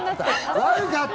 悪かった！